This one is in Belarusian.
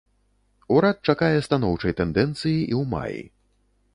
Урад чакае станоўчай тэндэнцыі і ў маі.